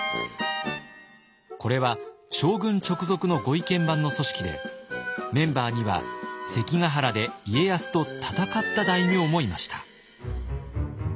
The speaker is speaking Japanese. これは将軍直属のご意見番の組織でメンバーには関ヶ原で家康と戦った大名もいました。